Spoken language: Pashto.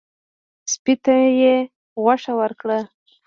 سپي ته یې غوښه ورکړه.